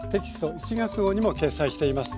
１月号にも掲載しています。